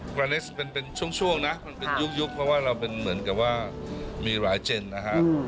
วาเลสเป็นช่วงนะมันเป็นยุคเพราะว่าเราเป็นเหมือนกับว่ามีหลายเจนนะฮะ